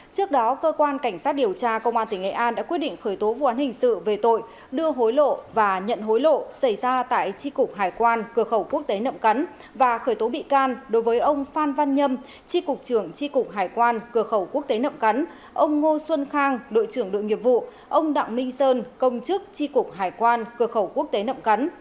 trước đó cơ quan cảnh sát điều tra công an tỉnh nghệ an đã quyết định khởi tố vụ án hình sự về tội đưa hối lộ và nhận hối lộ xảy ra tại tri cục hải quan cơ khẩu quốc tế nậm cắn và khởi tố bị can đối với ông phan văn nhâm tri cục trưởng tri cục hải quan cơ khẩu quốc tế nậm cắn ông ngô xuân khang đội trưởng đội nghiệp vụ ông đặng minh sơn công chức tri cục hải quan cơ khẩu quốc tế nậm cắn